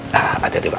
nah hati hati pak